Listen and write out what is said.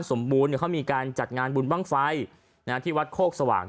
สมบูรณ์เขามีการจัดงานบุญบ้างไฟที่วัดโคกสว่าง